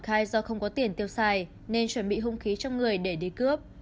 khai do không có tiền tiêu xài nên chuẩn bị hung khí trong người để đi cướp